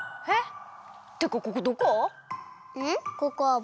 えっ！